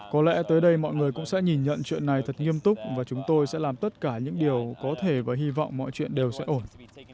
có lẽ tới đây mọi người cũng sẽ nhìn nhận chuyện này thật nghiêm túc và chúng tôi sẽ làm tất cả những điều có thể và hy vọng mọi chuyện đều sẽ ổn